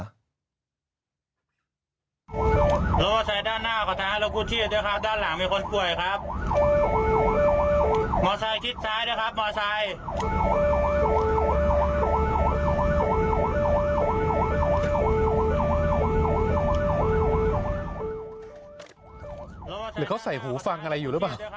หรือเขาใส่หูฟังอะไรอยู่หรือเปล่า